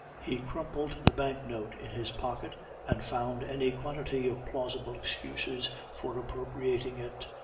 He crumpled the banknote in his pocket, and found any quantity of plausible excuses for appropriating it.